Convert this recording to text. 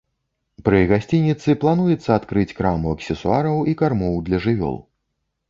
Пры гасцініцы плануецца адкрыць краму аксесуараў і кармоў для жывёл.